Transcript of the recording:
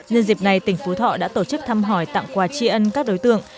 nhân dịp này tỉnh phú thọ đã tổ chức thăm hỏi tặng quà tri ân các đối tượng